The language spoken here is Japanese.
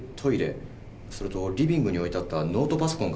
それとリビングに置いてあったノートパソコンから採れました。